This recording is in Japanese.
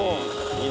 いい。